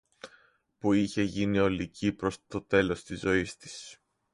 που είχε γίνει ολική προς το τέλος της ζωής της